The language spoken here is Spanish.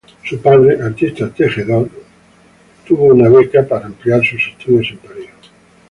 Su padre, artista tejedor, fue becado para ampliar sus estudios en París.